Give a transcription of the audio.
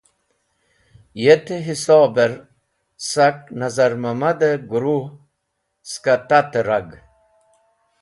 Yet hisober sak Nazar Mamad guru skẽ tat-e rag.